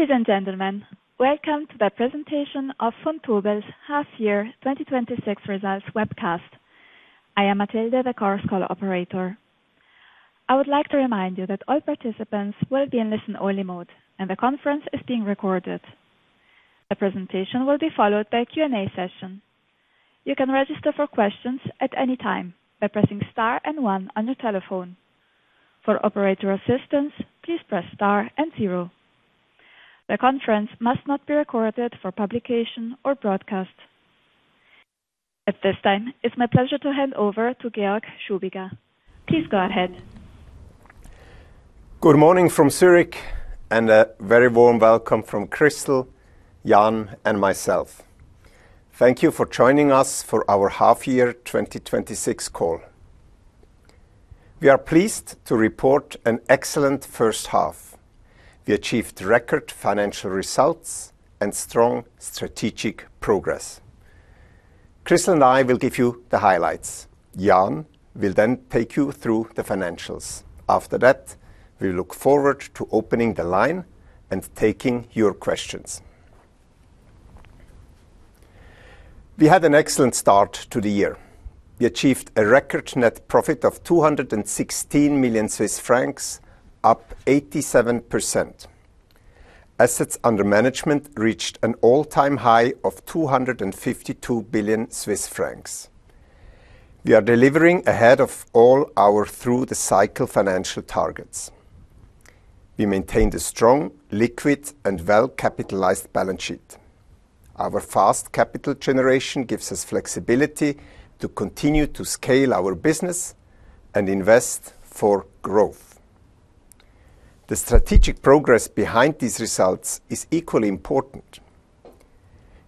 Ladies and gentlemen, welcome to the presentation of Vontobel's half year 2026 results webcast. I am Matilde, the call operator. I would like to remind you that all participants will be in listen-only mode and the conference is being recorded. The presentation will be followed by a Q&A session. You can register for questions at any time by pressing star and one on your telephone. For operator assistance, please press star and zero. The conference must not be recorded for publication or broadcast. At this time, it's my pleasure to hand over to Georg Schubiger. Please go ahead. Good morning from Zurich, and a very warm welcome from Christel, Jan, and myself. Thank you for joining us for our half year 2026 call. We are pleased to report an excellent first half. We achieved record financial results and strong strategic progress. Christel and I will give you the highlights. Jan will then take you through the financials. After that, we look forward to opening the line and taking your questions. We had an excellent start to the year. We achieved a record net profit of 216 million Swiss francs, up 87%. Assets under Management reached an all-time high of 252 billion Swiss francs. We are delivering ahead of all our through-the-cycle financial targets. We maintained a strong, liquid, and well-capitalized balance sheet. Our fast capital generation gives us flexibility to continue to scale our business and invest for growth. The strategic progress behind these results is equally important.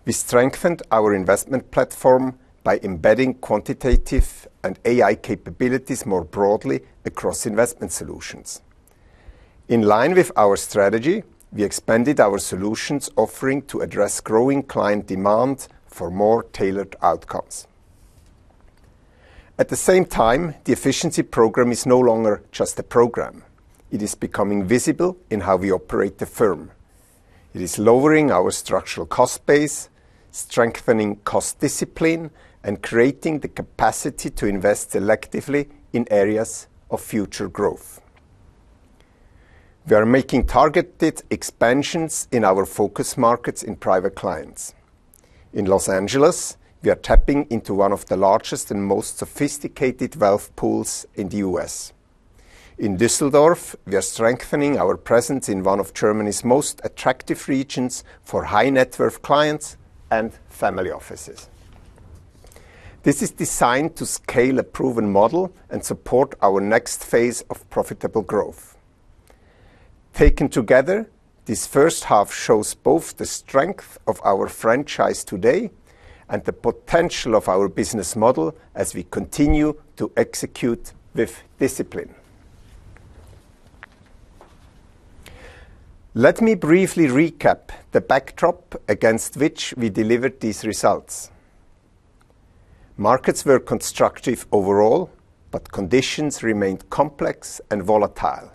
We strengthened our investment platform by embedding quantitative and AI capabilities more broadly across Investment Solutions. In line with our strategy, we expanded our solutions offering to address growing client demand for more tailored outcomes. At the same time, the efficiency program is no longer just a program. It is becoming visible in how we operate the firm. It is lowering our structural cost base, strengthening cost discipline, and creating the capacity to invest selectively in areas of future growth. We are making targeted expansions in our focus markets in Private Clients. In Los Angeles, we are tapping into one of the largest and most sophisticated wealth pools in the U.S. In Düsseldorf, we are strengthening our presence in one of Germany's most attractive regions for high-net-worth clients and family offices. This is designed to scale a proven model and support our next phase of profitable growth. Taken together, this first half shows both the strength of our franchise today and the potential of our business model as we continue to execute with discipline. Let me briefly recap the backdrop against which we delivered these results. Markets were constructive overall, but conditions remained complex and volatile.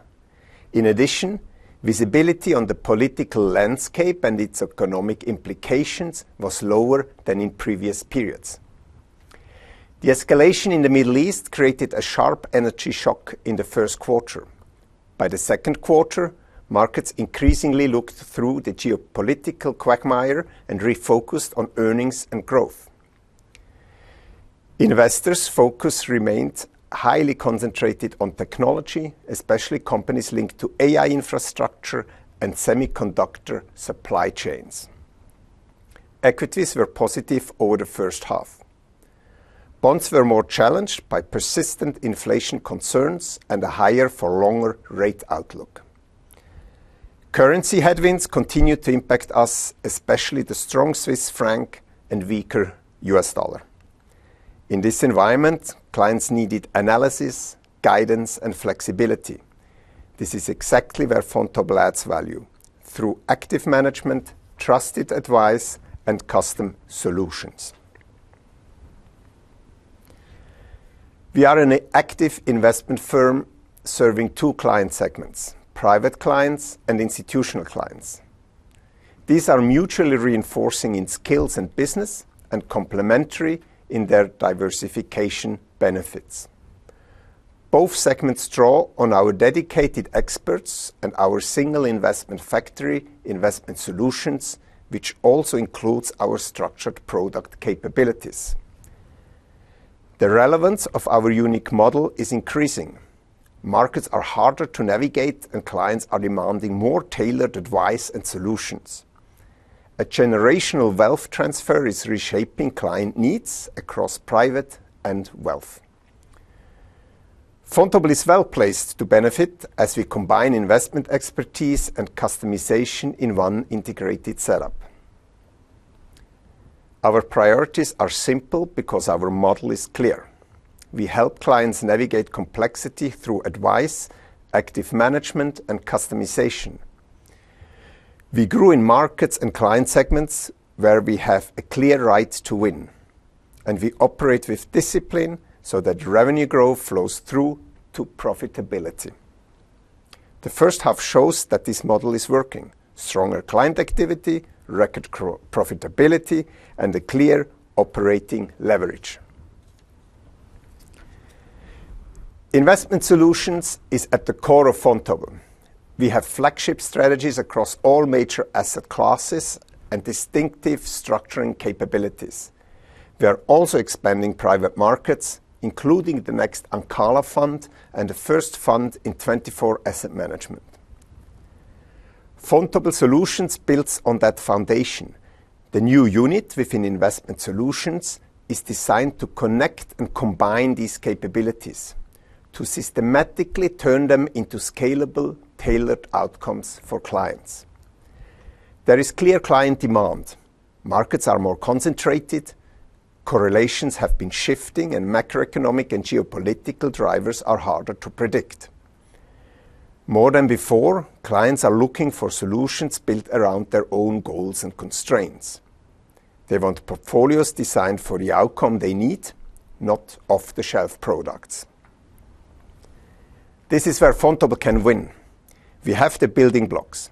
In addition, visibility on the political landscape and its economic implications was lower than in previous periods. The escalation in the Middle East created a sharp energy shock in the first quarter. By the second quarter, markets increasingly looked through the geopolitical quagmire and refocused on earnings and growth. Investors' focus remained highly concentrated on technology, especially companies linked to AI infrastructure and semiconductor supply chains. Equities were positive over the first half. Bonds were more challenged by persistent inflation concerns and a higher for longer rate outlook. Currency headwinds continued to impact us, especially the strong Swiss franc and weaker U.S. dollar. In this environment, clients needed analysis, guidance, and flexibility. This is exactly where Vontobel adds value, through active management, trusted advice, and custom solutions. We are an active investment firm serving two client segments, private clients and institutional clients. These are mutually reinforcing in skills and business and complementary in their diversification benefits. Both segments draw on our dedicated experts and our single investment factory Investment Solutions, which also includes our Structured Solutions capabilities. The relevance of our unique model is increasing. Markets are harder to navigate, and clients are demanding more tailored advice and solutions. A generational wealth transfer is reshaping client needs across private and wealth. Vontobel is well-placed to benefit as we combine investment expertise and customization in one integrated setup. Our priorities are simple because our model is clear. We help clients navigate complexity through advice, active management, and customization. We grew in markets and client segments where we have a clear right to win. We operate with discipline so that revenue growth flows through to profitability. The first half shows that this model is working. Stronger client activity, record profitability, and a clear operating leverage. Investment Solutions is at the core of Vontobel. We have flagship strategies across all major asset classes and distinctive structuring capabilities. We are also expanding private markets, including the next Ancala fund and the first fund in 24 Asset Management. Vontobel Solutions builds on that foundation. The new unit within Investment Solutions is designed to connect and combine these capabilities to systematically turn them into scalable, tailored outcomes for clients. There is clear client demand. Markets are more concentrated, correlations have been shifting, and macroeconomic and geopolitical drivers are harder to predict. More than before, clients are looking for solutions built around their own goals and constraints. They want portfolios designed for the outcome they need, not off-the-shelf products. This is where Vontobel can win. We have the building blocks: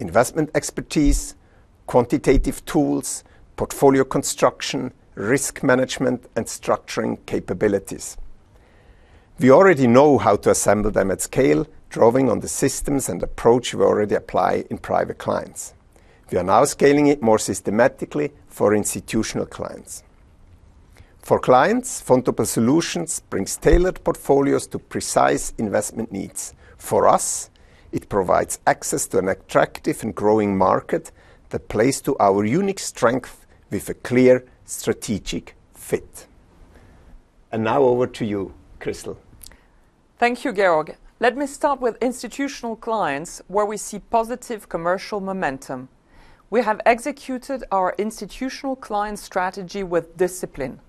investment expertise, quantitative tools, portfolio construction, risk management, and structuring capabilities. We already know how to assemble them at scale, drawing on the systems and approach we already apply in private clients. We are now scaling it more systematically for institutional clients. For clients, Vontobel Solutions brings tailored portfolios to precise investment needs. For us, it provides access to an attractive and growing market that plays to our unique strength with a clear strategic fit. Now over to you, Christel. Thank you, Georg. Let me start with institutional clients, where we see positive commercial momentum. We have executed our institutional client strategy with discipline.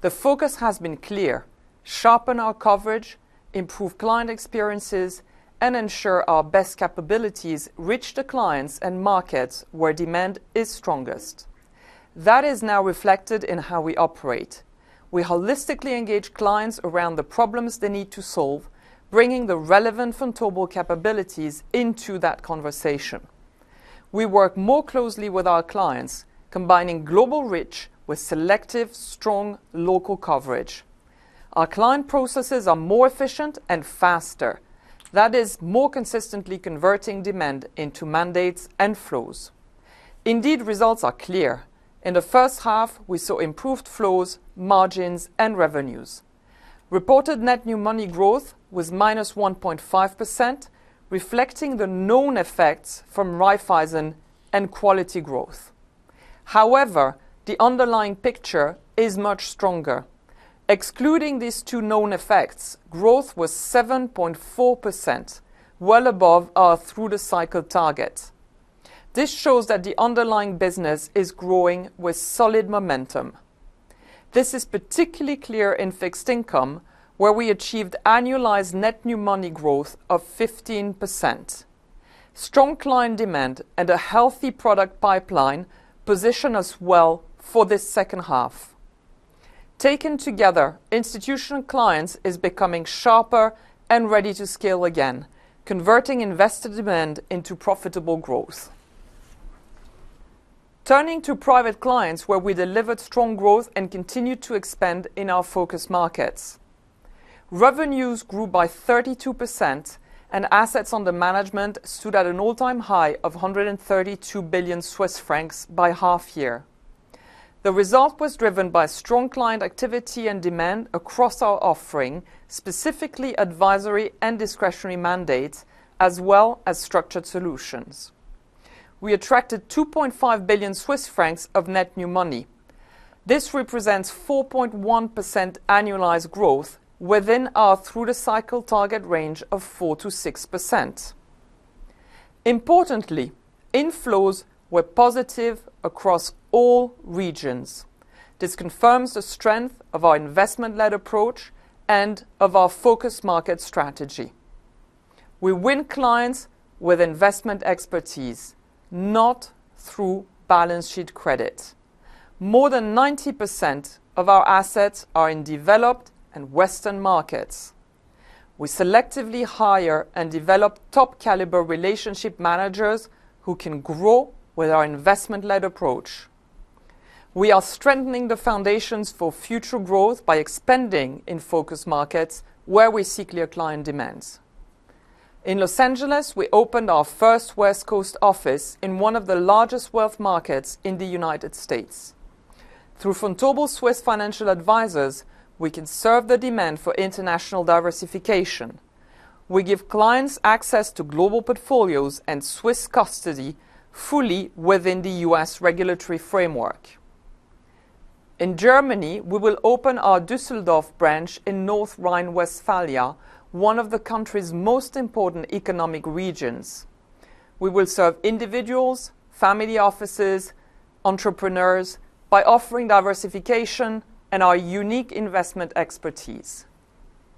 The focus has been clear: sharpen our coverage, improve client experiences, and ensure our best capabilities reach the clients and markets where demand is strongest. That is now reflected in how we operate. We holistically engage clients around the problems they need to solve, bringing the relevant Vontobel capabilities into that conversation. We work more closely with our clients, combining global reach with selective strong local coverage. Our client processes are more efficient and faster. That is more consistently converting demand into mandates and flows. Indeed, results are clear. In the first half, we saw improved flows, margins, and revenues. Reported net new money growth was -1.5%, reflecting the known effects from Raiffeisen and Quality Growth. However, the underlying picture is much stronger. Excluding these two known effects, growth was 7.4%, well above our through-the-cycle target. This shows that the underlying business is growing with solid momentum. This is particularly clear in fixed income, where we achieved annualized net new money growth of 15%. Strong client demand and a healthy product pipeline position us well for this second half. Taken together, Institutional Clients is becoming sharper and ready to scale again, converting investor demand into profitable growth. Turning to Private Clients, where we delivered strong growth and continued to expand in our focus markets. Revenues grew by 32%, and assets under management stood at an all-time high of 132 billion Swiss francs by half year. The result was driven by strong client activity and demand across our offering, specifically advisory and discretionary mandates as well as Structured Solutions. We attracted 2.5 billion Swiss francs of net new money. This represents 4.1% annualized growth within our through-the-cycle target range of 4%-6%. Importantly, inflows were positive across all regions. This confirms the strength of our investment-led approach and of our focus market strategy. We win clients with investment expertise, not through balance sheet credit. More than 90% of our assets are in developed and Western markets. We selectively hire and develop top-caliber relationship managers who can grow with our investment-led approach. We are strengthening the foundations for future growth by expanding in focus markets where we see clear client demands. In Los Angeles, we opened our first West Coast office in one of the largest wealth markets in the U.S. Through Vontobel Swiss Financial Advisers, we can serve the demand for international diversification. We give clients access to global portfolios and Swiss custody fully within the U.S. regulatory framework. In Germany, we will open our Düsseldorf branch in North Rhine-Westphalia, one of the country's most important economic regions. We will serve individuals, family offices, entrepreneurs by offering diversification and our unique investment expertise.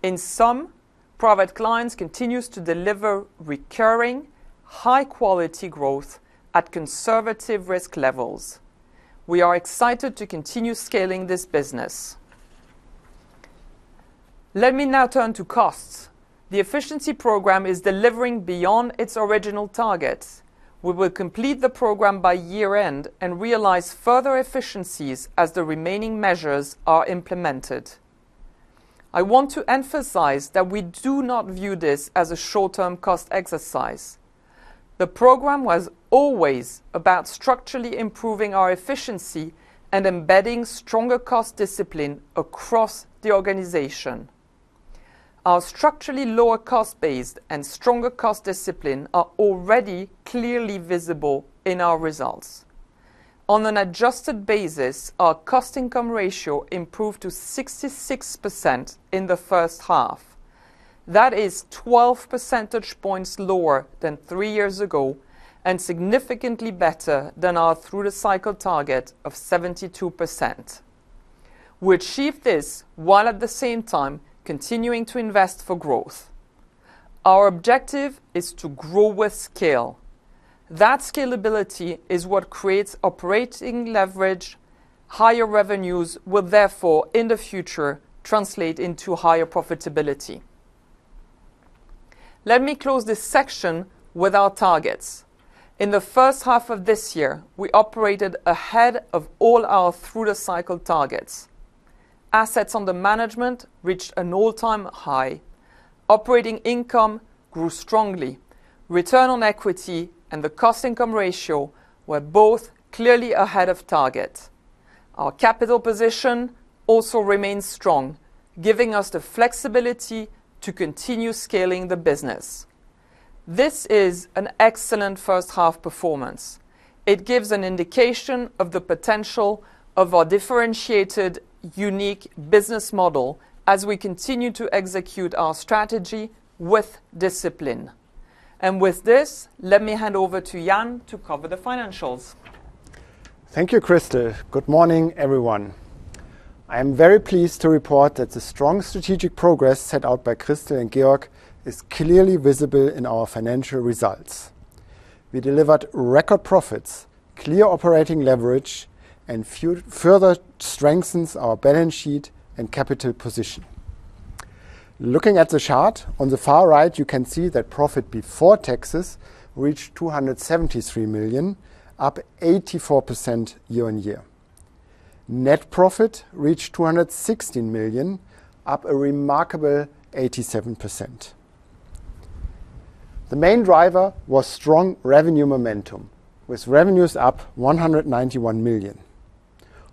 In sum, Private Clients continues to deliver recurring, high-quality growth at conservative risk levels. We are excited to continue scaling this business. Let me now turn to costs. The efficiency program is delivering beyond its original targets. We will complete the program by year-end and realize further efficiencies as the remaining measures are implemented. I want to emphasize that we do not view this as a short-term cost exercise. The program was always about structurally improving our efficiency and embedding stronger cost discipline across the organization. Our structurally lower cost base and stronger cost discipline are already clearly visible in our results. On an adjusted basis, our cost-income ratio improved to 66% in the first half. That is 12 percentage points lower than three years ago and significantly better than our through the cycle target of 72%. We achieved this while at the same time continuing to invest for growth. Our objective is to grow with scale. That scalability is what creates operating leverage. Higher revenues will therefore, in the future, translate into higher profitability. Let me close this section with our targets. In the first half of this year, we operated ahead of all our through-the-cycle targets. Assets under management reached an all-time high. Operating income grew strongly. Return on equity and the cost-income ratio were both clearly ahead of target. Our capital position also remains strong, giving us the flexibility to continue scaling the business. This is an excellent first-half performance. It gives an indication of the potential of our differentiated, unique business model as we continue to execute our strategy with discipline. With this, let me hand over to Jan to cover the financials. Thank you, Christel. Good morning, everyone. I am very pleased to report that the strong strategic progress set out by Christel and Georg is clearly visible in our financial results. We delivered record profits, clear operating leverage, and further strengthens our balance sheet and capital position. Looking at the chart, on the far right, you can see that profit before taxes reached 273 million, up 84% year-on-year. Net profit reached 216 million, up a remarkable 87%. The main driver was strong revenue momentum with revenues up 191 million.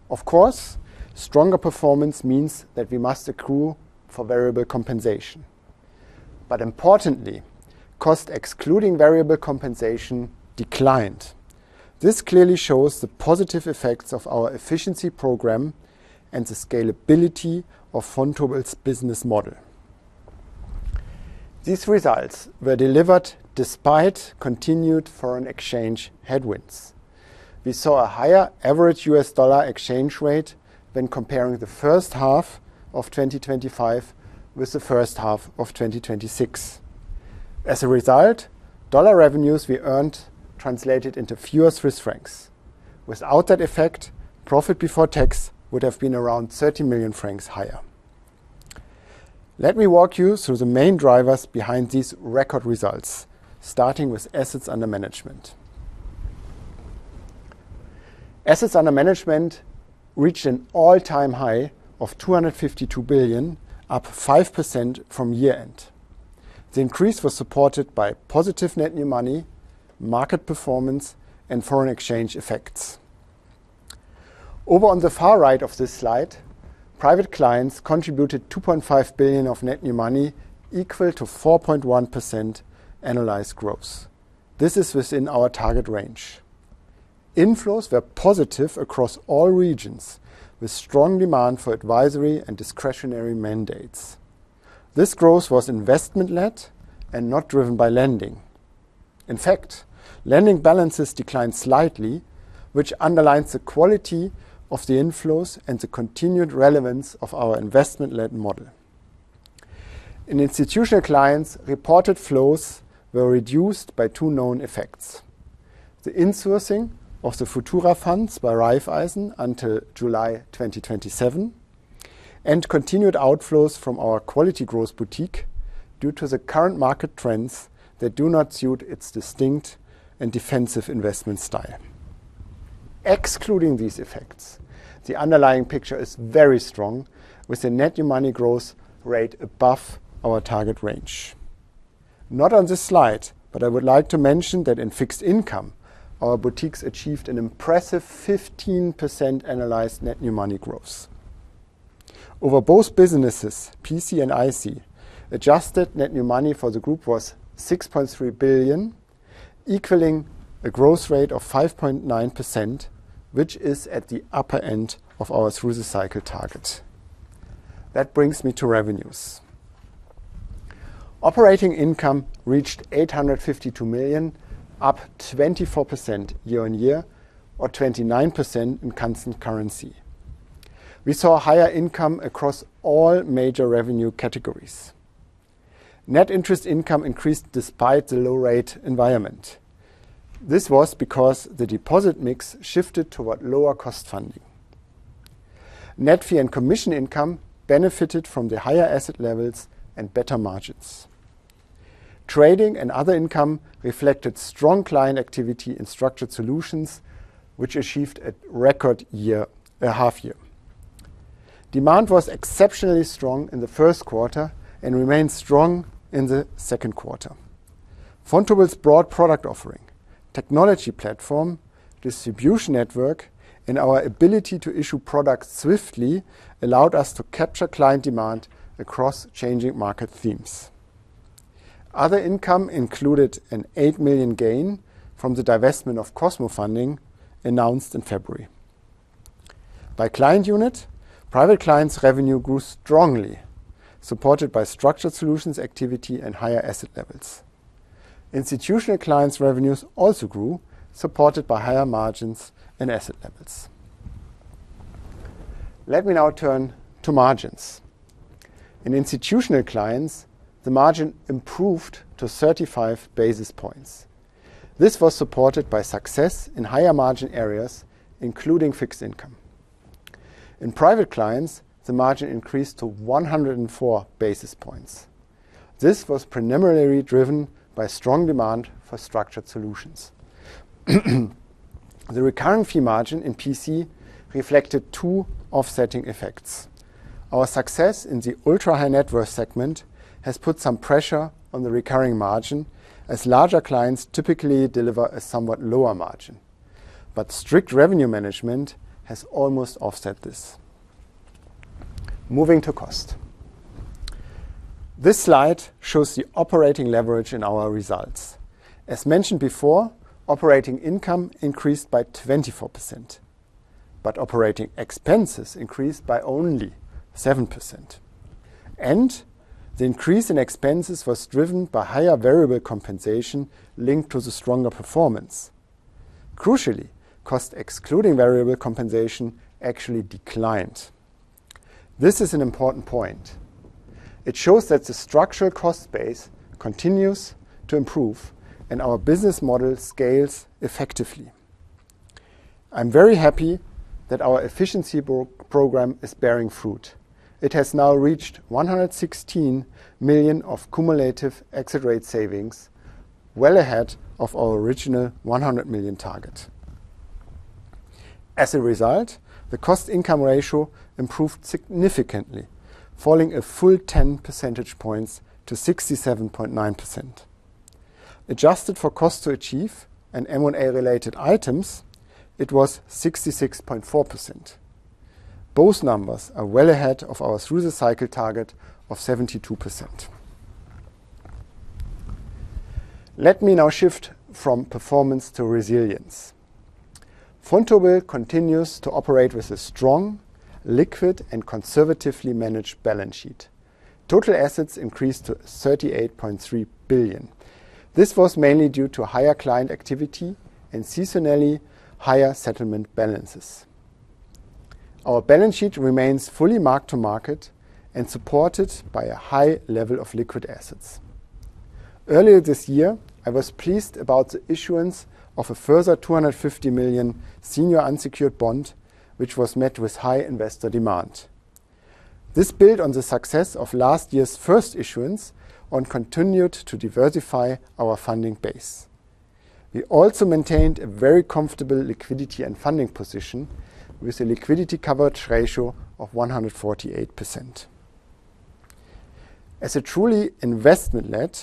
Of course, stronger performance means that we must accrue for variable compensation. Importantly, cost excluding variable compensation declined. This clearly shows the positive effects of our efficiency program and the scalability of Vontobel's business model. These results were delivered despite continued foreign exchange headwinds. We saw a higher average US dollar exchange rate when comparing the first half of 2025 with the first half of 2026. As a result, dollar revenues we earned translated into fewer Swiss francs. Without that effect, profit before tax would have been around 30 million francs higher. Let me walk you through the main drivers behind these record results, starting with Assets Under Management. Assets Under Management reached an all-time high of 252 billion, up 5% from year-end. The increase was supported by positive net new money, market performance, and foreign exchange effects. Over on the far right of this slide, private clients contributed 2.5 billion of net new money, equal to 4.1% annualized growth. This is within our target range. Inflows were positive across all regions, with strong demand for advisory and discretionary mandates. This growth was investment-led and not driven by lending. In fact, lending balances declined slightly, which underlines the quality of the inflows and the continued relevance of our investment-led model. In institutional clients, reported flows were reduced by two known effects. The insourcing of the Futura funds by Raiffeisen until July 2027, and continued outflows from our Quality Growth boutique due to the current market trends that do not suit its distinct and defensive investment style. Excluding these effects, the underlying picture is very strong, with a net new money growth rate above our target range. Not on this slide, but I would like to mention that in fixed income, our boutiques achieved an impressive 15% annualized net new money growth. Over both businesses, PC and IC, adjusted net new money for the group was 6.3 billion, equaling a growth rate of 5.9%, which is at the upper end of our through-the-cycle target. That brings me to revenues. Operating income reached 852 million, up 24% year-over-year or 29% in constant currency. We saw higher income across all major revenue categories. Net interest income increased despite the low-rate environment. This was because the deposit mix shifted toward lower cost funding. Net fee and commission income benefited from the higher asset levels and better margins. Trading and other income reflected strong client activity in Structured Solutions, which achieved a record half year. Demand was exceptionally strong in the first quarter and remained strong in the second quarter. Vontobel's broad product offering, technology platform, distribution network, and our ability to issue products swiftly allowed us to capture client demand across changing market themes. Other income included a 8 million gain from the divestment of cosmofunding announced in February. By client unit, private clients revenue grew strongly, supported by Structured Solutions activity and higher asset levels. Institutional clients revenues also grew, supported by higher margins and asset levels. Let me now turn to margins. In institutional clients, the margin improved to 35 basis points. This was supported by success in higher margin areas, including fixed income. In private clients, the margin increased to 104 basis points. This was preliminarily driven by strong demand for Structured Solutions. The recurring fee margin in PC reflected two offsetting effects. Our success in the ultra-high net worth segment has put some pressure on the recurring margin, as larger clients typically deliver a somewhat lower margin. Strict revenue management has almost offset this. Moving to cost. This slide shows the operating leverage in our results. As mentioned before, operating income increased by 24%, but operating expenses increased by only 7%. The increase in expenses was driven by higher variable compensation linked to the stronger performance. Crucially, cost excluding variable compensation actually declined. This is an important point. It shows that the structural cost base continues to improve and our business model scales effectively. I'm very happy that our efficiency program is bearing fruit. It has now reached 116 million of cumulative exit rate savings, well ahead of our original 100 million target. As a result, the cost-income ratio improved significantly, falling a full 10 percentage points to 67.9%. Adjusted for cost to achieve and M&A related items, it was 66.4%. Both numbers are well ahead of our through the cycle target of 72%. Let me now shift from performance to resilience. Vontobel continues to operate with a strong, liquid, and conservatively managed balance sheet. Total assets increased to 38.3 billion. This was mainly due to higher client activity and seasonally higher settlement balances. Our balance sheet remains fully mark-to-market and supported by a high level of liquid assets. Earlier this year, I was pleased about the issuance of a further 250 million senior unsecured bond, which was met with high investor demand. This built on the success of last year's first issuance and continued to diversify our funding base. We also maintained a very comfortable liquidity and funding position with a liquidity coverage ratio of 148%. As a truly investment-led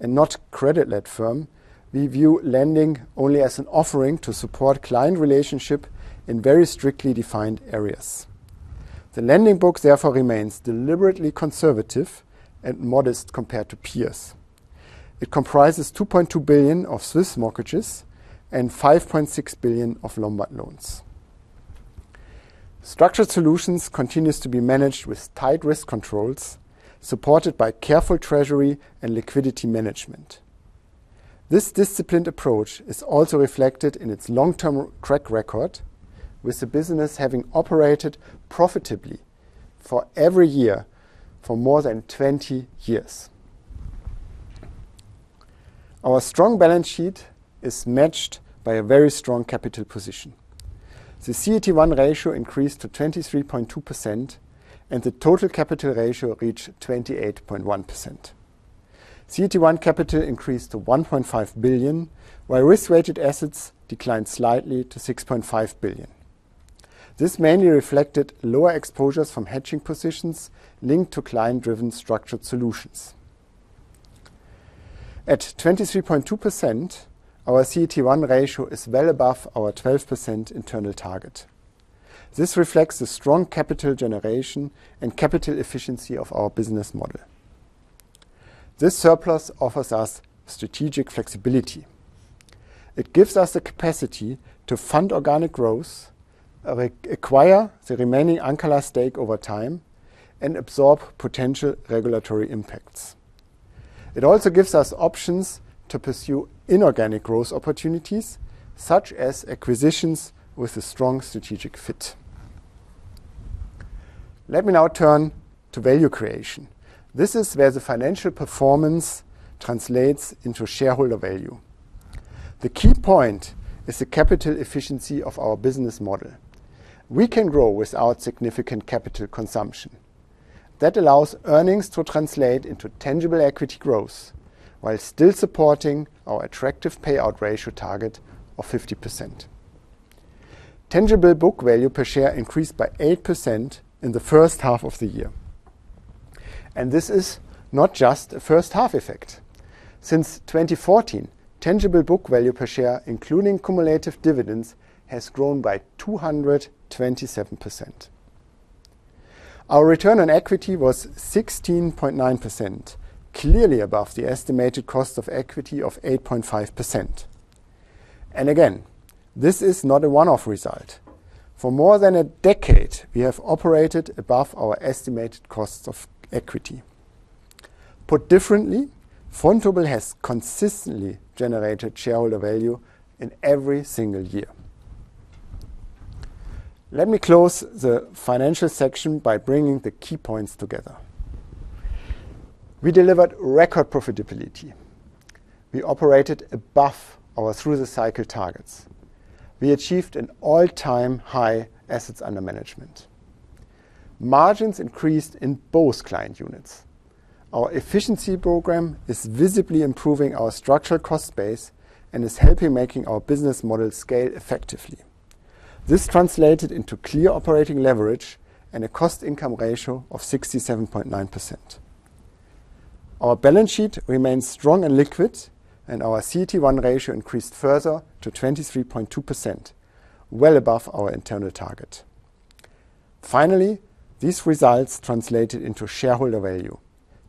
and not credit-led firm, we view lending only as an offering to support client relationship in very strictly defined areas. The lending book therefore remains deliberately conservative and modest compared to peers. It comprises 2.2 billion of Swiss mortgages and 5.6 billion of Lombard loans. Structured Solutions continues to be managed with tight risk controls, supported by careful treasury and liquidity management. This disciplined approach is also reflected in its long-term track record, with the business having operated profitably for every year for more than 20 years. Our strong balance sheet is matched by a very strong capital position. The CET1 ratio increased to 23.2%, and the total capital ratio reached 28.1%. CET1 capital increased to 1.5 billion, while risk-weighted assets declined slightly to 6.5 billion. This mainly reflected lower exposures from hedging positions linked to client-driven Structured Solutions. At 23.2%, our CET1 ratio is well above our 12% internal target. This reflects the strong capital generation and capital efficiency of our business model. This surplus offers us strategic flexibility. It gives us the capacity to fund organic growth, acquire the remaining Ancala stake over time, and absorb potential regulatory impacts. It also gives us options to pursue inorganic growth opportunities, such as acquisitions with a strong strategic fit. Let me now turn to value creation. This is where the financial performance translates into shareholder value. The key point is the capital efficiency of our business model. We can grow without significant capital consumption. That allows earnings to translate into tangible equity growth while still supporting our attractive payout ratio target of 50%. Tangible book value per share increased by 8% in the first half of the year. This is not just a first-half effect. Since 2014, tangible book value per share, including cumulative dividends, has grown by 227%. Our return on equity was 16.9%, clearly above the estimated cost of equity of 8.5%. Again, this is not a one-off result. For more than a decade, we have operated above our estimated costs of equity. Put differently, Vontobel has consistently generated shareholder value in every single year. Let me close the financial section by bringing the key points together. We delivered record profitability. We operated above our through-the-cycle targets. We achieved an all-time high assets under management. Margins increased in both client units. Our efficiency program is visibly improving our structural cost base and is helping making our business model scale effectively. This translated into clear operating leverage and a cost-income ratio of 67.9%. Our balance sheet remains strong and liquid, and our CET1 ratio increased further to 23.2%, well above our internal target. Finally, these results translated into shareholder value.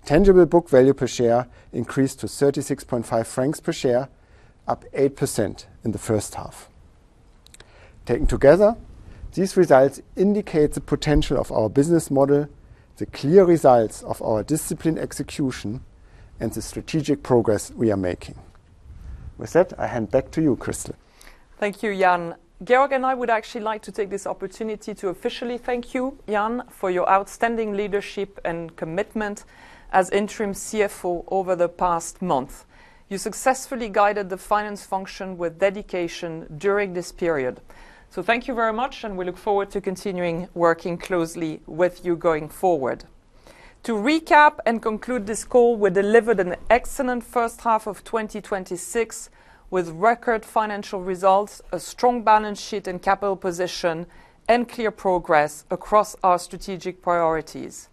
Tangible book value per share increased to 36.5 francs per share, up 8% in the first half. Taken together, these results indicate the potential of our business model, the clear results of our disciplined execution, and the strategic progress we are making. With that, I hand back to you, Christel. Thank you, Jan. Georg and I would actually like to take this opportunity to officially thank you, Jan, for your outstanding leadership and commitment as interim CFO over the past month. You successfully guided the finance function with dedication during this period. Thank you very much, and we look forward to continuing working closely with you going forward. To recap and conclude this call, we delivered an excellent first half of 2026 with record financial results, a strong balance sheet and capital position, and clear progress across our strategic priorities.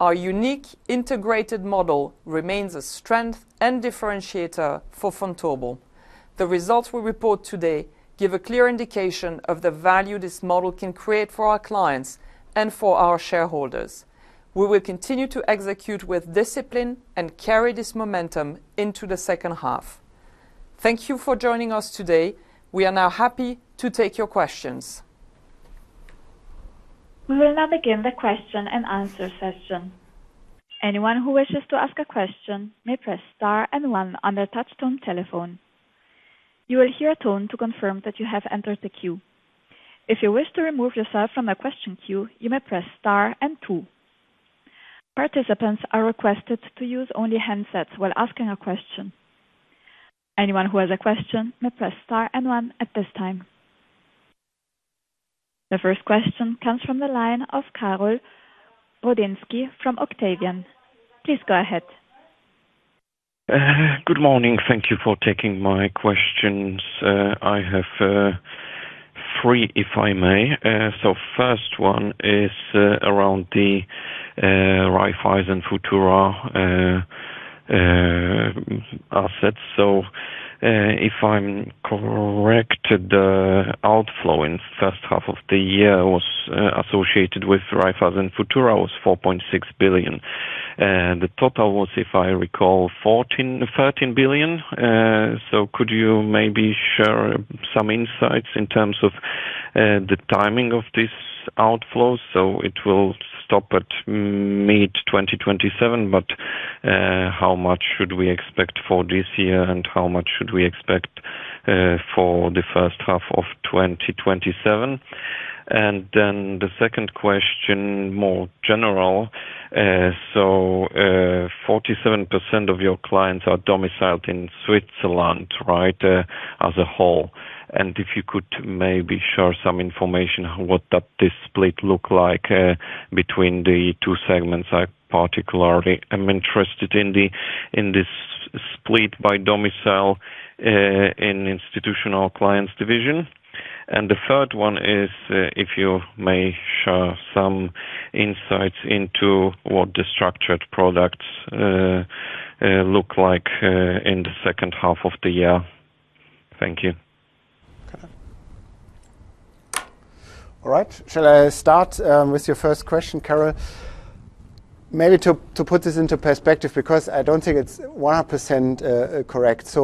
Our unique integrated model remains a strength and differentiator for Vontobel. The results we report today give a clear indication of the value this model can create for our clients and for our shareholders. We will continue to execute with discipline and carry this momentum into the second half. Thank you for joining us today. We are now happy to take your questions. We will now begin the question-and-answer session. Anyone who wishes to ask a question may press star and one on their touchtone telephone. You will hear a tone to confirm that you have entered the queue. If you wish to remove yourself from the question queue, you may press star and two. Participants are requested to use only handsets while asking a question. Anyone who has a question may press star and one at this time. The first question comes from the line of Karol Brodzinski from Octavian. Please go ahead. Good morning. Thank you for taking my questions. I have three, if I may. First one is around the Raiffeisen Futura assets. If I'm correct, the outflow in the first half of the year was associated with Raiffeisen Futura was 4.6 billion. The total was, if I recall, 13 billion. Could you maybe share some insights in terms of the timing of this outflow? It will stop at mid-2027, but how much should we expect for this year, and how much should we expect for the first half of 2027? The second question, more general. 47% of your clients are domiciled in Switzerland, right, as a whole. If you could maybe share some information what that split look like between the two segments. I particularly am interested in this split by domicile in institutional clients division. The third one is, if you may share some insights into what the structured products look like in the second half of the year. Thank you. All right. Shall I start with your first question, Karol? Maybe to put this into perspective, because I do not think it is 100% correct.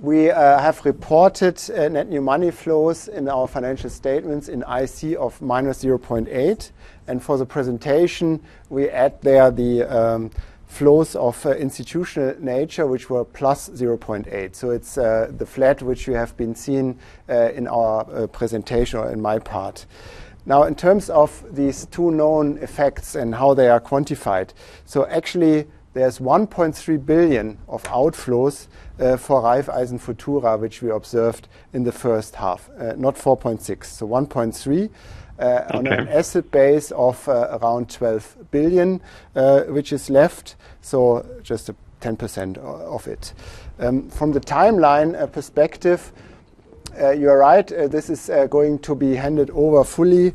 We have reported net new money flows in our financial statements in IC of -0.8. For the presentation, we add there the flows of institutional nature, which were +0.8. It is the flat, which you have been seeing in our presentation or in my part. Now, in terms of these two known effects and how they are quantified. Actually, there is 1.3 billion of outflows for Raiffeisen Futura, which we observed in the first half, not 4.6 billion. 1.3 billion- Okay. On an asset base of around 12 billion, which is left, just 10% of it. From the timeline perspective, you are right, this is going to be handed over fully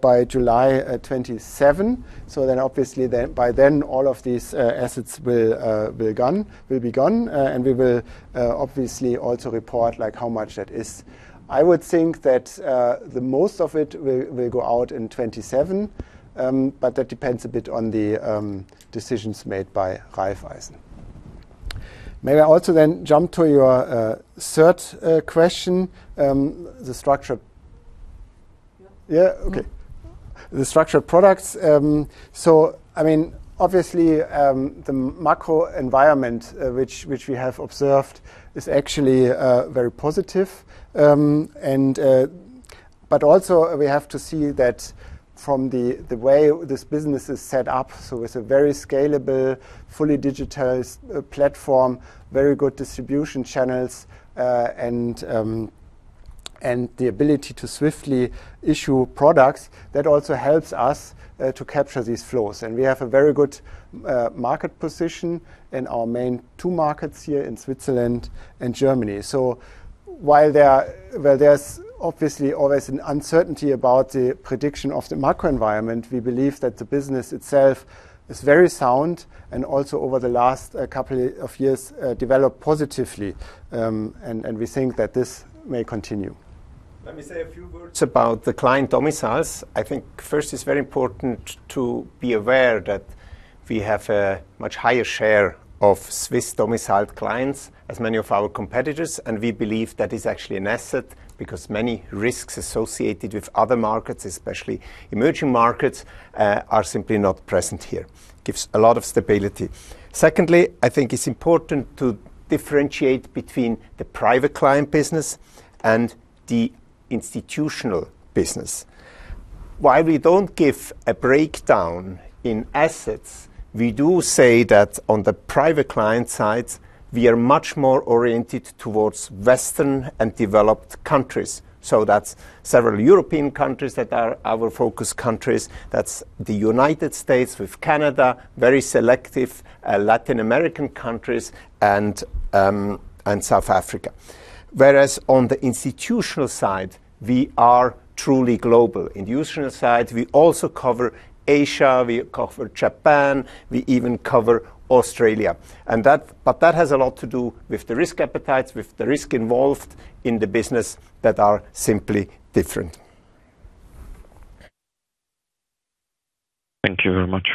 by July 2027. Obviously, by then, all of these assets will be gone, and we will obviously also report how much that is. I would think that the most of it will go out in 2027. That depends a bit on the decisions made by Raiffeisen. May I also then jump to your third question? The structure- Yeah. The structured products. Obviously, the macro environment which we have observed is actually very positive. Also, we have to see that from the way this business is set up, it is a very scalable, fully digitized platform, very good distribution channels, and the ability to swiftly issue products, that also helps us to capture these flows. We have a very good market position in our main two markets here in Switzerland and Germany. While there is obviously always an uncertainty about the prediction of the macro environment, we believe that the business itself is very sound, and also over the last couple of years, developed positively. We think that this may continue. Let me say a few words about the client domiciles. I think first, it is very important to be aware that we have a much higher share of Swiss-domiciled clients as many of our competitors, and we believe that is actually an asset, because many risks associated with other markets, especially emerging markets, are simply not present here. Gives a lot of stability. Secondly, I think it is important to differentiate between the private client business and the institutional business. While we do not give a breakdown in assets, we do say that on the private client side, we are much more oriented towards Western and developed countries. That is several European countries that are our focus countries. That is the United States with Canada, very selective Latin American countries, and South Africa. Whereas on the institutional side, we are truly global. Institutional side, we also cover Asia, we cover Japan, we even cover Australia. That has a lot to do with the risk appetites, with the risk involved in the business that are simply different. Thank you very much.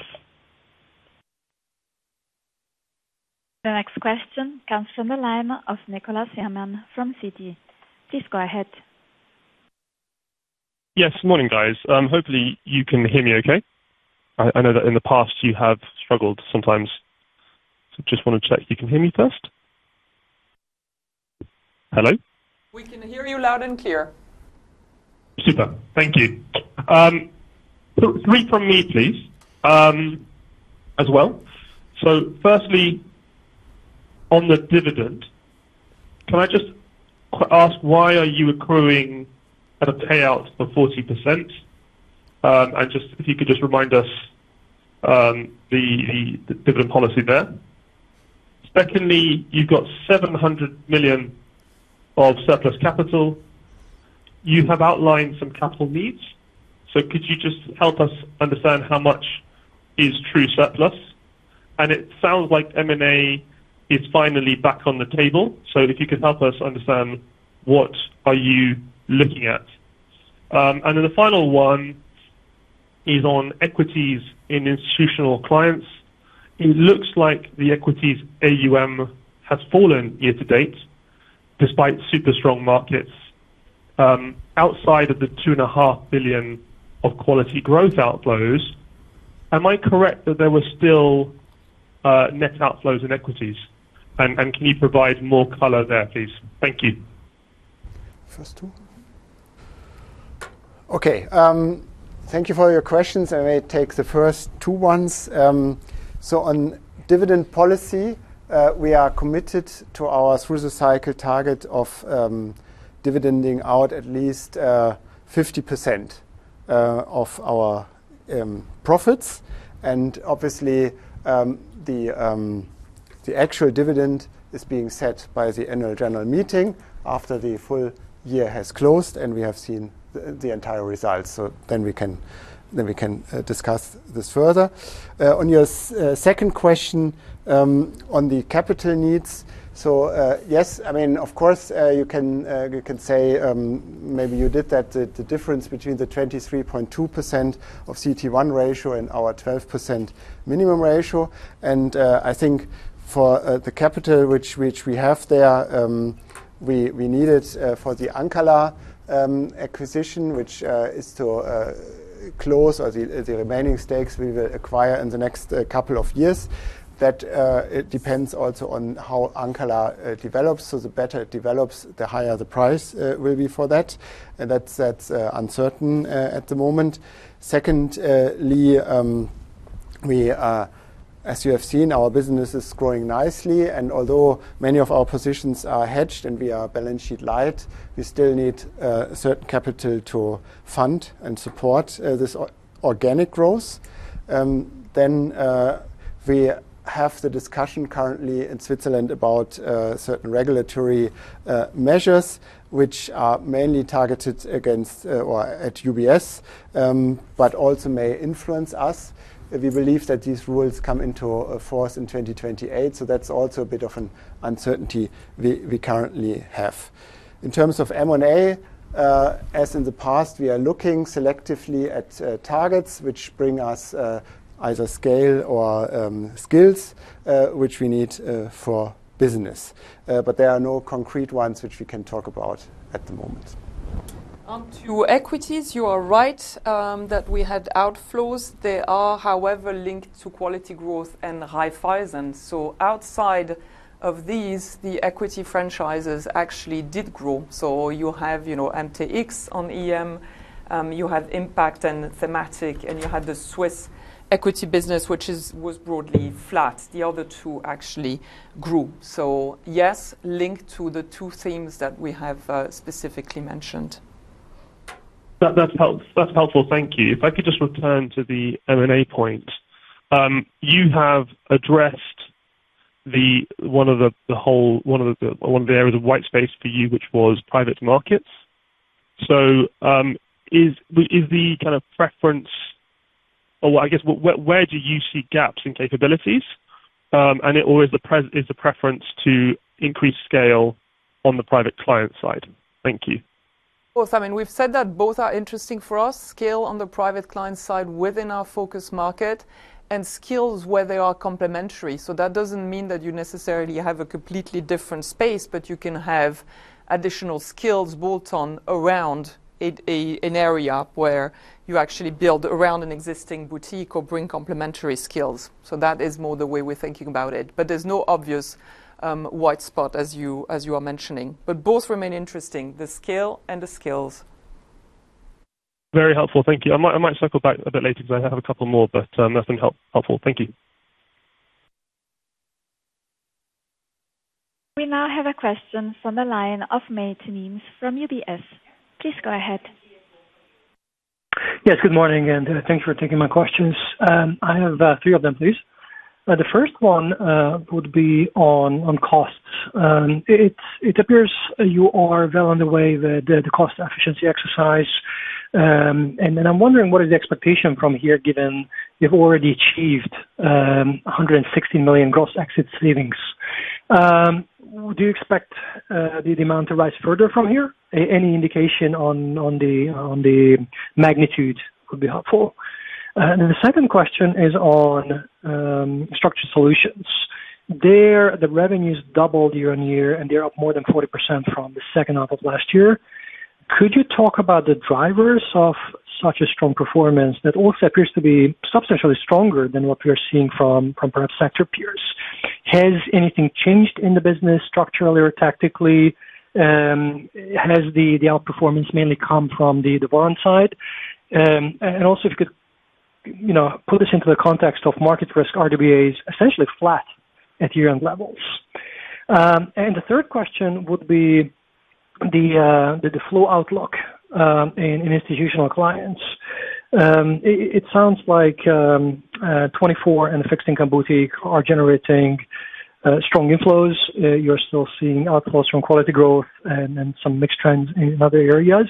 The next question comes from the line of Nicholas Herman from Citi. Please go ahead. Yes. Morning, guys. Hopefully, you can hear me okay. I know that in the past you have struggled sometimes. Just want to check you can hear me first. Hello? We can hear you loud and clear. Super. Thank you. Three from me, please, as well. Firstly, on the dividend, can I just ask why are you accruing at a payout of 40%? If you could just remind us the dividend policy there. Secondly, you've got 700 million of surplus capital. You have outlined some capital needs. Could you just help us understand how much is true surplus? It sounds like M&A is finally back on the table, if you could help us understand what are you looking at. The final one is on equities in institutional clients. It looks like the equities AuM has fallen year to date, despite super strong markets. Outside of the 2.5 billion of Quality Growth outflows, am I correct that there were still net outflows in equities? Can you provide more color there, please? Thank you. First two? Okay. Thank you for your questions. I may take the first two ones. On dividend policy, we are committed to our through the cycle target of dividending out at least 50% of our profits. Obviously, the actual dividend is being set by the annual general meeting after the full year has closed and we have seen the entire results. We can discuss this further. On your second question, on the capital needs, yes, of course, you can say, maybe you did that, the difference between the 23.2% of CET1 ratio and our 12% minimum ratio, and I think for the capital which we have there, we need it for the Ancala acquisition, which is to close the remaining stakes we will acquire in the next couple of years. That depends also on how Ancala develops. The better it develops, the higher the price will be for that. That's uncertain at the moment. Secondly, as you have seen, our business is growing nicely, and although many of our positions are hedged and we are balance sheet light, we still need certain capital to fund and support this organic growth. We have the discussion currently in Switzerland about certain regulatory measures which are mainly targeted at UBS, but also may influence us. We believe that these rules come into force in 2028, that's also a bit of an uncertainty we currently have. In terms of M&A, as in the past, we are looking selectively at targets which bring us either scale or skills which we need for business. There are no concrete ones which we can talk about at the moment. On to equities. You are right that we had outflows. They are, however, linked to Quality Growth and high conviction. Outside of these, the equity franchises actually did grow. You have mtx on EM, you had impact and thematic, and you had the Swiss equity business, which was broadly flat. The other two actually grew. Yes, linked to the two themes that we have specifically mentioned. That's helpful. Thank you. If I could just return to the M&A point. You have addressed one of the areas of white space for you, which was private markets. Is the kind of preference, or I guess, where do you see gaps in capabilities? Is the preference to increase scale on the private client side? Thank you. Of course. We've said that both are interesting for us. Scale on the private client side within our focus market and skills where they are complementary. That doesn't mean that you necessarily have a completely different space, but you can have additional skills built on around an area where you actually build around an existing boutique or bring complementary skills. That is more the way we're thinking about it, but there's no obvious white spot as you are mentioning. Both remain interesting, the scale and the skills. Very helpful. Thank you. I might circle back a bit later because I have a couple more, but that's been helpful. Thank you. We now have a question from the line of Mate Nemes from UBS. Please go ahead. Yes, good morning. Thanks for taking my questions. I have three of them, please. The first one would be on costs. It appears you are well on the way, the cost efficiency exercise. I'm wondering, what is the expectation from here, given you've already achieved 160 million gross exit savings? Do you expect the amount to rise further from here? Any indication on the magnitude would be helpful. The second question is on Structured Solutions. There, the revenues doubled year-on-year. They're up more than 40% from the second half of last year. Could you talk about the drivers of such a strong performance that also appears to be substantially stronger than what we are seeing from perhaps sector peers? Has anything changed in the business structurally or tactically? Has the outperformance mainly come from the warrant side? Also if you could put this into the context of market risk, RWAs, essentially flat at year-end levels. The third question would be the flow outlook in institutional clients. It sounds like 2024 and the fixed income boutique are generating strong inflows. You're still seeing outflows from Quality Growth and some mixed trends in other areas.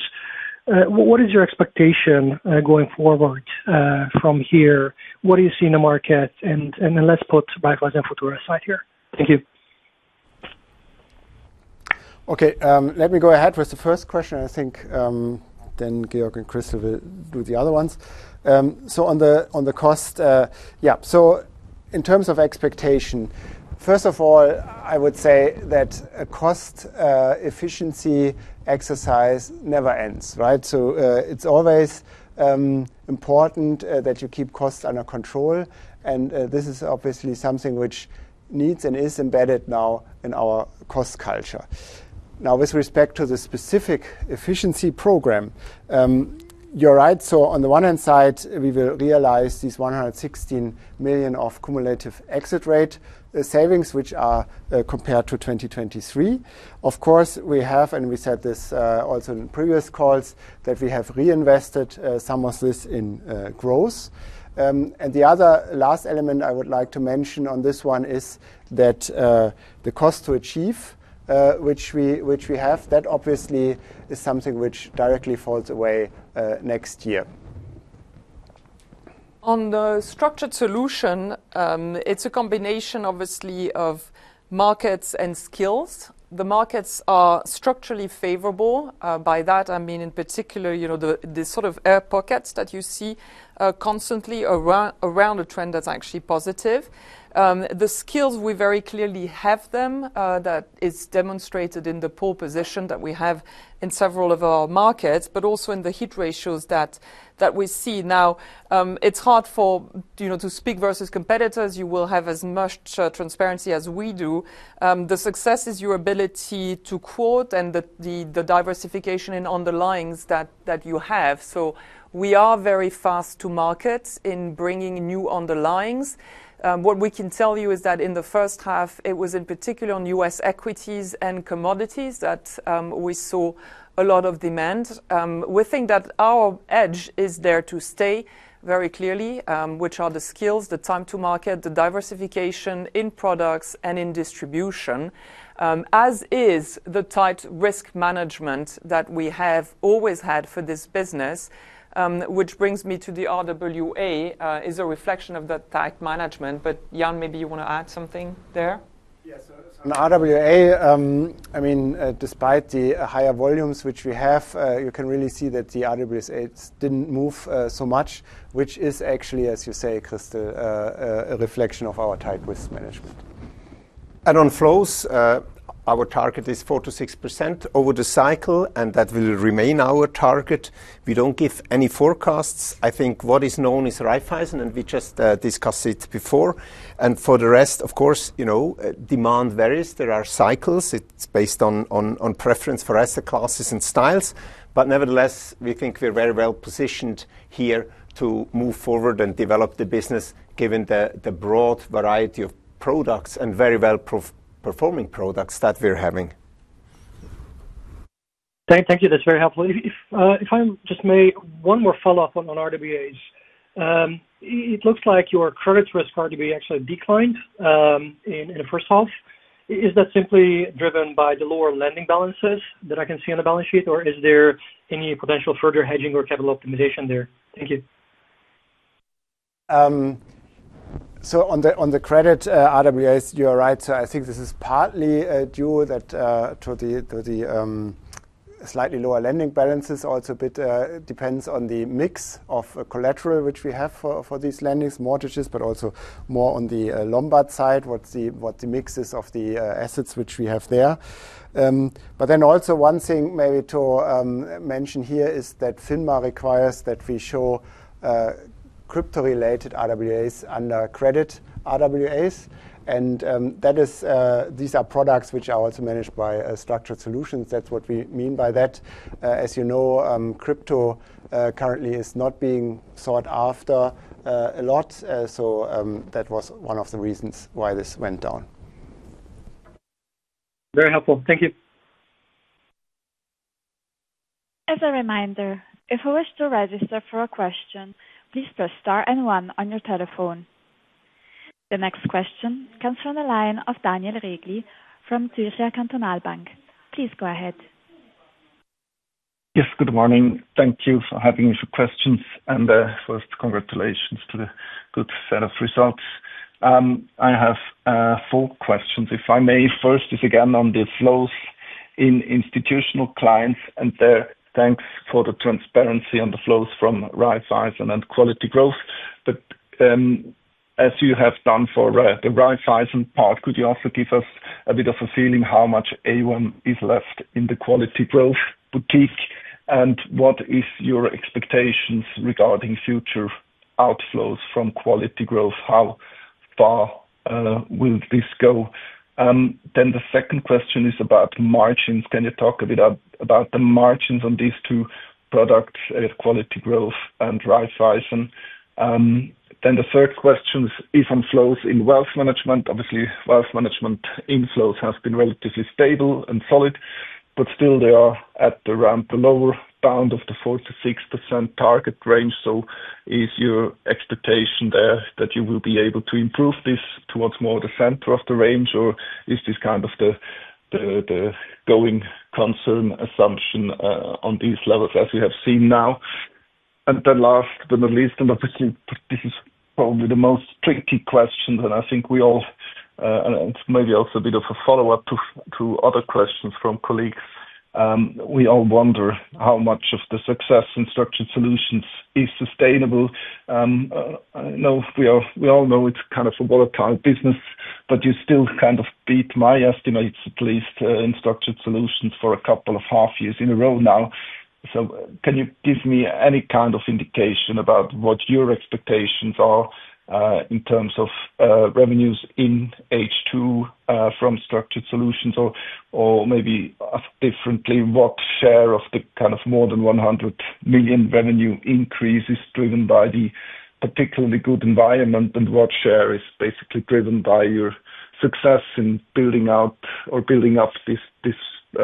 What is your expectation going forward from here? What do you see in the market? Let's put five years and for the rest side here. Thank you. Okay. Let me go ahead with the first question. I think Georg and Chris will do the other ones. On the cost. In terms of expectation, first of all, I would say that a cost efficiency exercise never ends, right? It's always important that you keep costs under control. This is obviously something which needs and is embedded now in our cost culture. Now, with respect to the specific efficiency program, you're right. On the one hand side, we will realize these 116 million of cumulative exit rate savings, which are compared to 2023. Of course, we have. We said this also in previous calls, that we have reinvested some of this in growth. The other last element I would like to mention on this one is that the cost to achieve, which we have, that obviously is something which directly falls away next year. On the Structured Solutions, it's a combination, obviously, of markets and skills. The markets are structurally favorable. By that I mean, in particular, the sort of air pockets that you see constantly around a trend that's actually positive. The skills, we very clearly have them. That is demonstrated in the pole position that we have in several of our markets, but also in the hit ratios that we see now. It's hard to speak versus competitors, you will have as much transparency as we do. The success is your ability to quote and the diversification in underlyings that you have. We are very fast to market in bringing new underlyings. What we can tell you is that in the first half, it was in particular on U.S. equities and commodities that we saw a lot of demand. We think that our edge is there to stay very clearly, which are the skills, the time to market, the diversification in products and in distribution, as is the tight risk management that we have always had for this business, which brings me to the RWA, is a reflection of that tight management. Jan, maybe you want to add something there? Yes. On RWA, despite the higher volumes which we have, you can really see that the RWAs didn't move so much, which is actually, as you say, Christel, a reflection of our tight risk management. On flows, our target is 4%-6% over the cycle, and that will remain our target. We don't give any forecasts. I think what is known is Raiffeisen, and we just discussed it before. For the rest, of course, demand varies. There are cycles. It's based on preference for asset classes and styles. Nevertheless, we think we're very well-positioned here to move forward and develop the business given the broad variety of products and very well-performing products that we're having. Thank you. That's very helpful. If I may, one more follow-up on RWAs. It looks like your credit risk RWA actually declined in the first half. Is that simply driven by the lower lending balances that I can see on the balance sheet, or is there any potential further hedging or capital optimization there? Thank you. On the credit RWAs, you are right. I think this is partly due to the slightly lower lending balances. Also, a bit depends on the mix of collateral, which we have for these lendings, mortgages, but also more on the Lombard side, what the mix is of the assets which we have there. Also, one thing maybe to mention here is that FINMA requires that we show crypto-related RWAs under credit RWAs. These are products which are also managed by Structured Solutions. That's what we mean by that. As you know, crypto currently is not being sought after a lot. That was one of the reasons why this went down. Very helpful. Thank you. As a reminder, if you wish to register for a question, please press star and one on your telephone. The next question comes from the line of Daniel Regli from Zürcher Kantonalbank. Please go ahead. Yes, good morning. Thank you for having me for questions. First, congratulations to the good set of results. I have four questions, if I may. First is again on the flows in institutional clients and there thanks for the transparency on the flows from Raiffeisen and Quality Growth. As you have done for the Raiffeisen part, could you also give us a bit of a feeling how much AuM is left in the Quality Growth boutique, and what is your expectations regarding future outflows from Quality Growth? How far will this go? The second question is about margins. Can you talk a bit about the margins on these two products, Quality Growth and Raiffeisen? The third question is inflows in wealth management. Obviously, wealth management inflows has been relatively stable and solid, but still they are at around the lower bound of the 4%-6% target range. Is your expectation there that you will be able to improve this towards more the center of the range, or is this kind of the going concern assumption on these levels as we have seen now? Last but not least, This is probably the most tricky question, I think we all, It's maybe also a bit of a follow-up to other questions from colleagues. We all wonder how much of the success in Structured Solutions is sustainable. We all know it's kind of a volatile business, You still kind of beat my estimates, at least in Structured Solutions for a couple of half years in a row now. Can you give me any kind of indication about what your expectations are in terms of revenues in H2 from Structured Solutions? Maybe differently, what share of the more than 100 million revenue increase is driven by the particularly good environment, What share is basically driven by your success in building out or building up this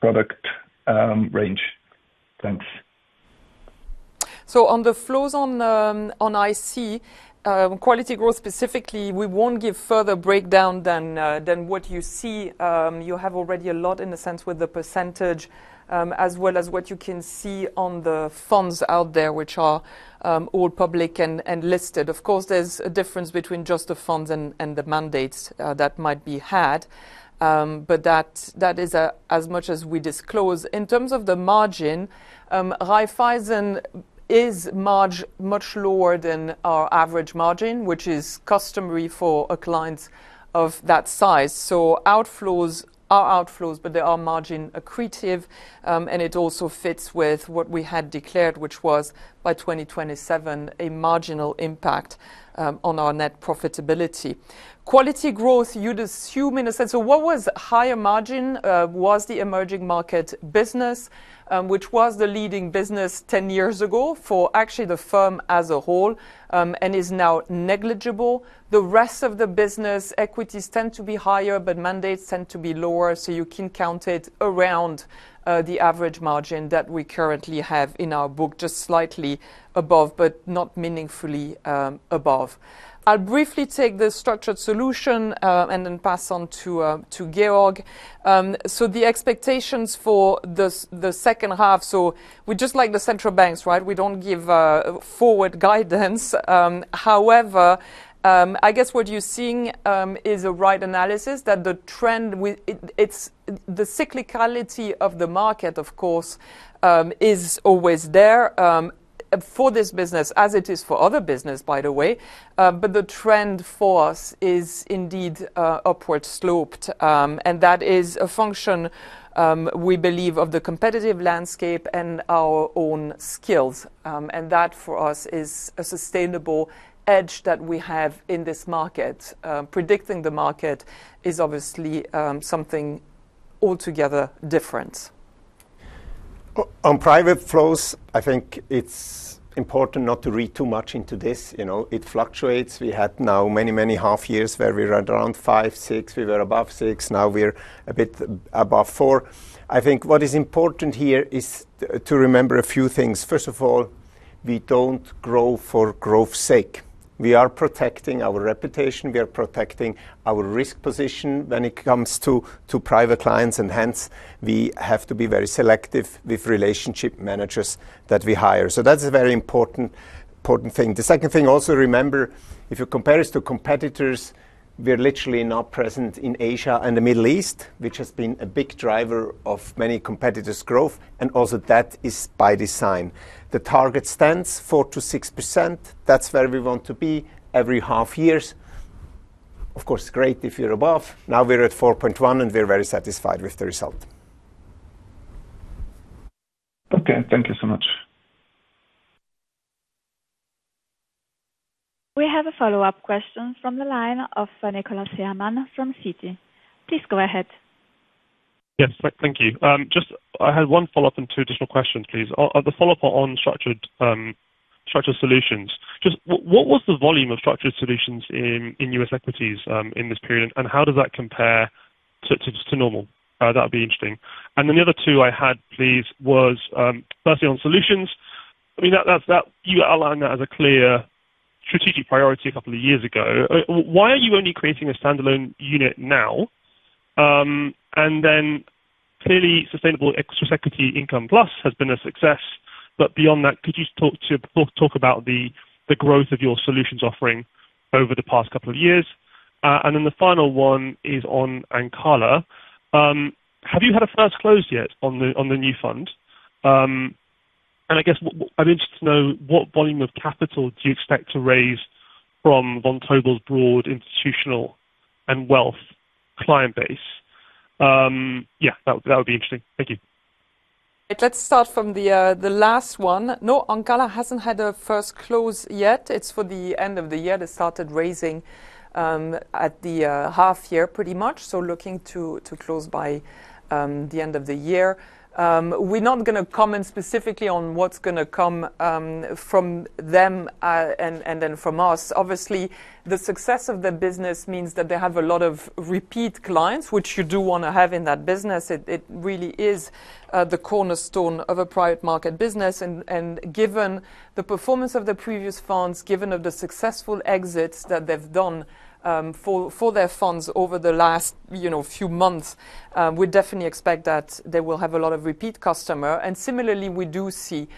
product? Thanks. On the flows on IC, Quality Growth specifically, we won't give further breakdown than what you see. You have already a lot in a sense with the percentage, as well as what you can see on the funds out there, which are all public and listed. Of course, there's a difference between just the funds and the mandates that might be had, but that is as much as we disclose. In terms of the margin, Raiffeisen is much lower than our average margin, which is customary for a client of that size. Outflows are outflows, but they are margin accretive, and it also fits with what we had declared, which was, by 2027, a marginal impact on our net profitability. Quality Growth, you'd assume in a sense. What was higher margin was the emerging market business, which was the leading business 10 years ago for actually the firm as a whole, and is now negligible. The rest of the business, equities tend to be higher, but mandates tend to be lower, so you can count it around the average margin that we currently have in our book, just slightly above, but not meaningfully above. I'll briefly take the Structured Solutions, and then pass on to Georg. The expectations for the second half, we're just like the central banks, right? We don't give forward guidance. However, I guess what you're seeing is a right analysis that the trend, the cyclicality of the market, of course, is always there for this business, as it is for other business, by the way. The trend for us is indeed upward sloped, and that is a function, we believe, of the competitive landscape and our own skills. That, for us, is a sustainable edge that we have in this market. Predicting the market is obviously something altogether different. On private flows, I think it's important not to read too much into this. It fluctuates. We had now many, many half years where we read around five, six, we were above six. Now we're a bit above four. I think what is important here is to remember a few things. First of all, we don't grow for growth's sake. We are protecting our reputation, we are protecting our risk position when it comes to private clients, and hence, we have to be very selective with relationship managers that we hire. That's a very important thing. The second thing, also remember, if you compare us to competitors, we're literally not present in Asia and the Middle East, which has been a big driver of many competitors' growth, and also that is by design. The target stands 4%-6%. That's where we want to be every half years. Of course, great if you're above. We're at 4.1, and we're very satisfied with the result. Okay, thank you so much. We have a follow-up question from the line of Nicholas Herman from Citi. Please go ahead. Yes. Thank you. I had one follow-up and two additional questions, please. The follow-up on Structured Solutions. What was the volume of Structured Solutions in U.S. equities in this period, and how does that compare to normal? That would be interesting. The other two I had, please, was, firstly on Solutions, you outlined that as a clear strategic priority a couple of years ago. Why are you only creating a standalone unit now? Clearly Sustainable Equity Income Plus has been a success. Beyond that, could you talk about the growth of your Solutions offering over the past couple of years? The final one is on Ancala. Have you had a first close yet on the new fund? I guess what I'm interested to know, what volume of capital do you expect to raise from Vontobel's broad institutional and wealth client base? Yeah, that would be interesting. Thank you. Let's start from the last one. Ancala hasn't had a first close yet. It's for the end of the year. They started raising at the half year pretty much. Looking to close by the end of the year. We're not going to comment specifically on what's going to come from them and then from us. Obviously, the success of the business means that they have a lot of repeat clients, which you do want to have in that business. It really is the cornerstone of a private market business, given the performance of the previous funds, given of the successful exits that they've done for their funds over the last few months, we definitely expect that they will have a lot of repeat customer. Similarly, we do see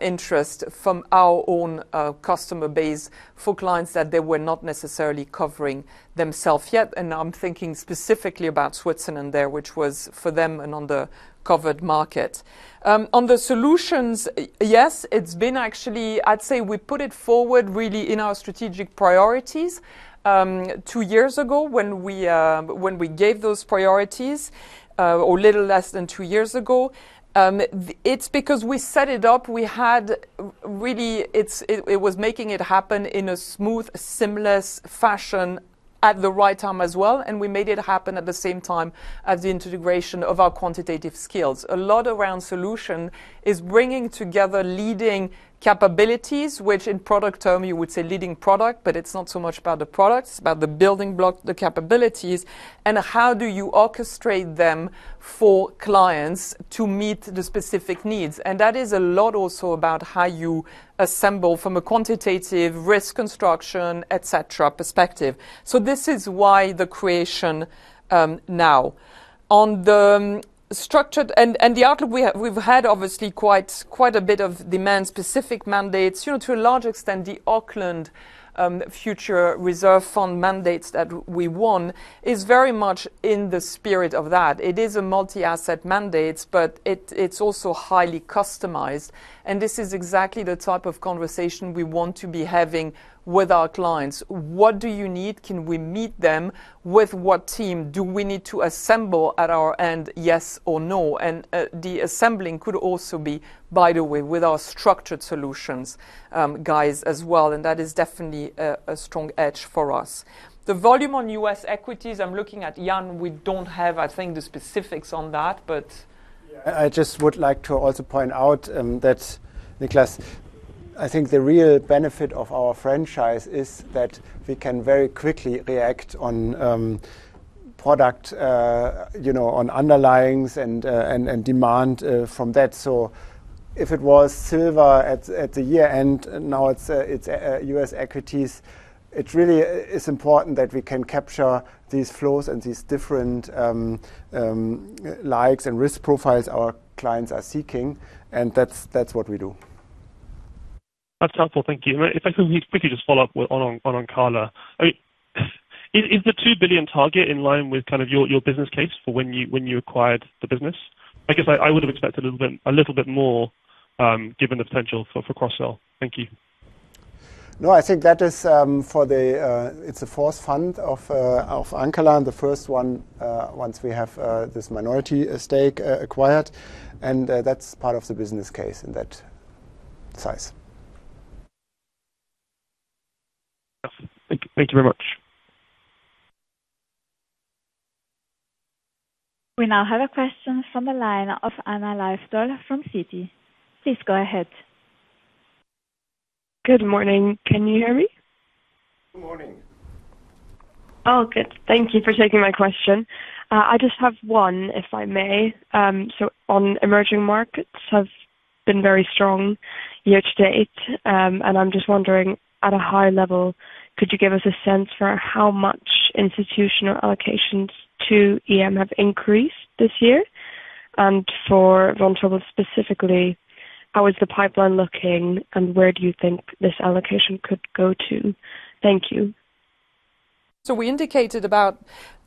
interest from our own customer base for clients that they were not necessarily covering themselves yet, and I'm thinking specifically about Switzerland there, which was for them and on the covered market. On the solutions, yes, it's been actually, I'd say we put it forward really in our strategic priorities two years ago when we gave those priorities, or a little less than two years ago. It's because we set it up, we had really, it was making it happen in a smooth, seamless fashion at the right time as well, and we made it happen at the same time as the integration of our quantitative skills. A lot around solution is bringing together leading capabilities, which in product term you would say leading product, but it's not so much about the products, it's about the building block, the capabilities. How do you orchestrate them for clients to meet the specific needs? That is a lot also about how you assemble from a quantitative risk construction, et cetera, perspective. This is why the creation now. On the structured and the outlook, we've had obviously quite a bit of demand, specific mandates. To a large extent, the Auckland Future Fund mandates that we won is very much in the spirit of that. It is a multi-asset mandate, but it's also highly customized, and this is exactly the type of conversation we want to be having with our clients. What do you need? Can we meet them? With what team? Do we need to assemble at our end, yes or no? The assembling could also be, by the way, with our Structured Solutions guys as well, that is definitely a strong edge for us. The volume on U.S. equities, I'm looking at Jan. We don't have, I think, the specifics on that, but- I just would like to also point out, that, Nicholas, I think the real benefit of our franchise is that we can very quickly react on product, on underlyings and demand from that. If it was silver at the year-end, now it's U.S. equities. It really is important that we can capture these flows and these different likes and risk profiles our clients are seeking, that's what we do. That's helpful. Thank you. If I could quickly just follow up on Ancala. Is the 2 billion target in line with your business case for when you acquired the business? I guess I would have expected a little bit more, given the potential for cross-sell. Thank you. I think that is, it's a fourth fund of Ancala, the first one, once we have this minority stake acquired, that's part of the business case in that size. Thank you very much. We now have a question from the line of Anna Radomska from Citi. Please go ahead. Good morning. Can you hear me? Good morning. Good. Thank you for taking my question. I just have one, if I may. On emerging markets have been very strong year to date. I'm just wondering, at a high level, could you give us a sense for how much institutional allocations to EM have increased this year? For Vontobel specifically, how is the pipeline looking, and where do you think this allocation could go to? Thank you. We indicated about,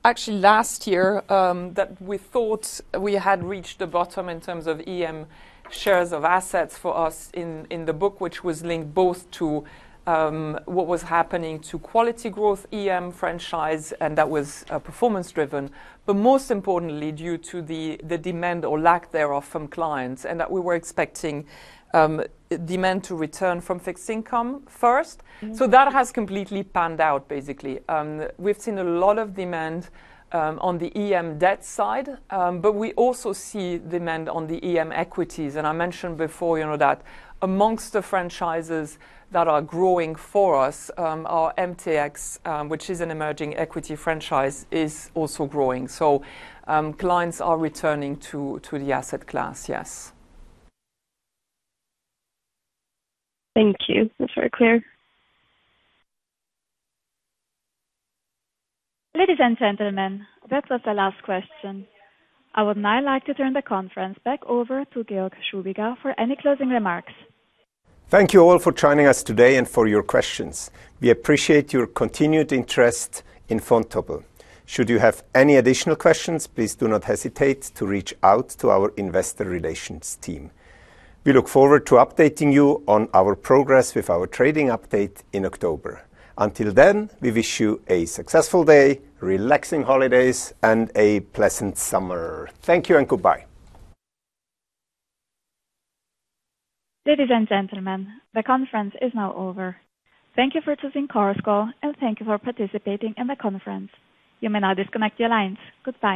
actually last year, that we thought we had reached the bottom in terms of EM shares of assets for us in the book, which was linked both to what was happening to Quality Growth EM franchise, that was performance driven. Most importantly, due to the demand or lack thereof from clients, that we were expecting demand to return from fixed income first. That has completely panned out, basically. We've seen a lot of demand on the EM debt side, we also see demand on the EM equities. I mentioned before, you know that amongst the franchises that are growing for us, our mtx, which is an emerging equity franchise, is also growing. Clients are returning to the asset class, yes. Thank you. That's very clear. Ladies and gentlemen, that was the last question. I would now like to turn the conference back over to Georg Schubiger for any closing remarks. Thank you all for joining us today and for your questions. We appreciate your continued interest in Vontobel. Should you have any additional questions, please do not hesitate to reach out to our investor relations team. We look forward to updating you on our progress with our trading update in October. Until then, we wish you a successful day, relaxing holidays, and a pleasant summer. Thank you and goodbye. Ladies and gentlemen, the conference is now over. Thank you for choosing Chorus Call, and thank you for participating in the conference. You may now disconnect your lines. Goodbye